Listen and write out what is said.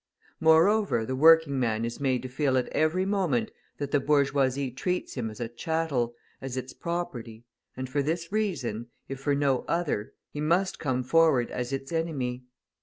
Moreover, the working man is made to feel at every moment that the bourgeoisie treats him as a chattel, as its property, and for this reason, if for no other, he must come forward as its enemy.